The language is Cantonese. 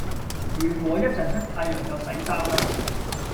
如果一陣出太陽就洗衫啦